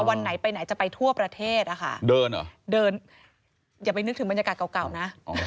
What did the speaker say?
วันไหนไปไหนจะไปทั่วประเทศอะค่ะเดินเหรอเดินอย่าไปนึกถึงบรรยากาศเก่านะ